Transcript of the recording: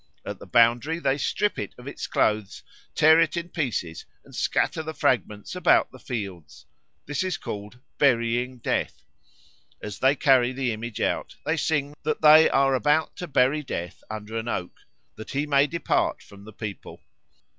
At the boundary they strip it of its clothes, tear it in pieces, and scatter the fragments about the fields. This is called "Burying Death." As they carry the image out, they sing that they are about to bury Death under an oak, that he may depart from the people.